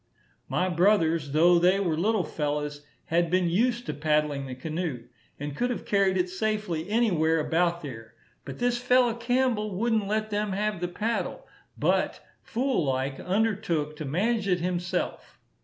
My brothers, though they were little fellows, had been used to paddling the canoe, and could have carried it safely anywhere about there; but this fellow Campbell wouldn't let them have the paddle, but, fool like, undertook to manage it himself.